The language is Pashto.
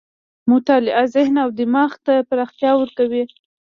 مطالعه ذهن او دماغ ته پراختیا ورکوي.